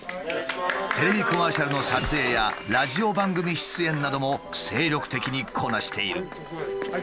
テレビコマーシャルの撮影やラジオ番組出演なども精力的にこなしている。